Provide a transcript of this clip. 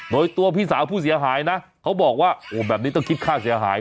โดยตัวพี่สาวผู้เสียหายนะเขาบอกว่าโอ้แบบนี้ต้องคิดค่าเสียหาย